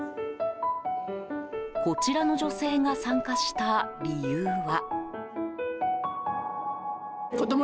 こちらの女性が参加した理由は。